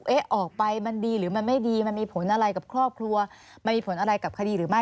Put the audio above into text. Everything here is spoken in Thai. ออกไปมันดีหรือมันไม่ดีมันมีผลอะไรกับครอบครัวมันมีผลอะไรกับคดีหรือไม่